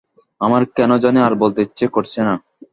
আমার কেন জানি আর বলতে ইচ্ছা করছে না।